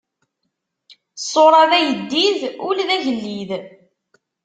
Ṣṣuṛa d ayeddid, ul d agellid.